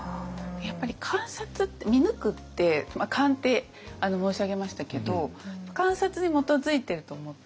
やっぱり観察って見抜くって勘って申し上げましたけど観察に基づいていると思って。